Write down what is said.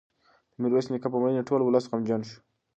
د میرویس نیکه په مړینه ټول ولس غمجن شو.